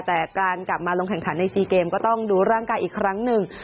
แต่การกลับมาลงแข่งขันใน๔เกมก็ต้องดูร่างกายอีกครั้งหนึ่ง